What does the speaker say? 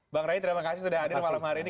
bang ray terima kasih sudah hadir malam hari ini